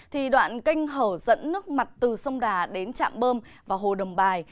thì đoạn canh hở dẫn nước mặt từ sông đà đến trạm bơm và hồ đầm bài